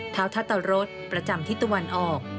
เท้าทัตรฤษประจำทิศตะวันออก